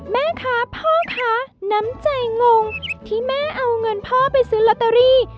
แม่คะพ่อคะน้ำใจงงที่แม่เอาเงินพ่อไปซื้อลอตเตอรี่